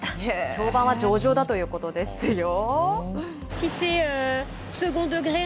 評判は上々だということですよ。